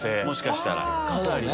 もしかしたら。